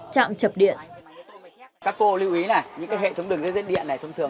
chạm chập điện